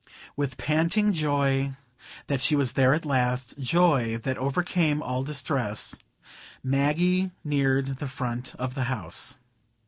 With panting joy that she was there at last,—joy that overcame all distress,—Maggie neared the front of the house.